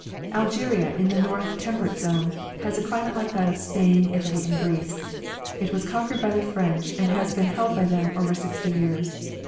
Algeria, in the north temperate zone, has a climate like that of Spain, Italy, and Greece. It was conquered by the French and has been held by them for over sixty years.